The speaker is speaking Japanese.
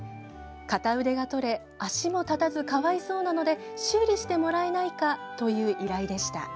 片腕がとれ、足も立たずかわいそうなので修理してもらえないかという依頼でした。